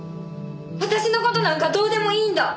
私の事なんかどうでもいいんだ！